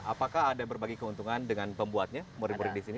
apakah ada berbagai keuntungan dengan pembuatnya murid murid di sini